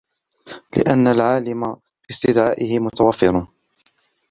لِأَنَّ الْعَالِمَ بِاسْتِدْعَائِهِ مُتَوَفِّرٌ